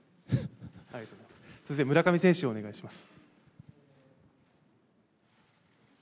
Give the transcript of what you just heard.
続いて村上選手、お願いいたします。